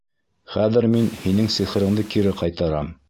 Хәҙер мин һинең сихырыңды кире ҡайтарам!